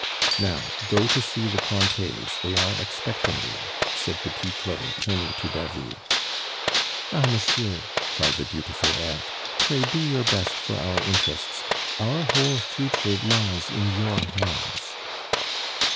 "Now go to see the Cointets, they are expecting you," said Petit Claud, turning to David. "Ah, monsieur!" cried the beautiful Eve, "pray do your best for our interests; our whole future lies in your hands."